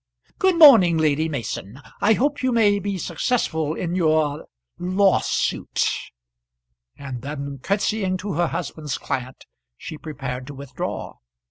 Good morning, Lady Mason; I hope you may be successful in your lawsuit." And then, curtsying to her husband's client, she prepared to withdraw.